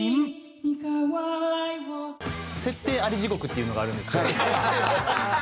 設定あり地獄っていうのがあるんですけど。